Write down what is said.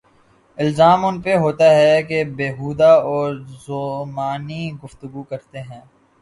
الزام ان پہ ہوتاہے کہ بیہودہ اورذومعنی گفتگو کرتے ہیں۔